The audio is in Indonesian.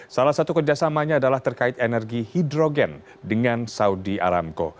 salah satu kerjasamanya adalah terkait energi hidrogen dengan saudi aramco